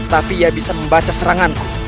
tapi ia bisa membaca seranganku